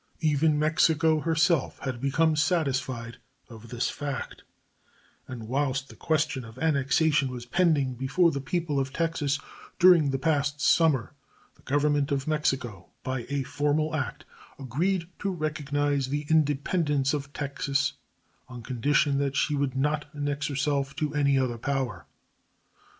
Even Mexico herself had become satisfied of this fact, and whilst the question of annexation was pending before the people of Texas during the past summer the Government of Mexico, by a formal act, agreed to recognize the independence of Texas on condition that she would not annex herself to any other power.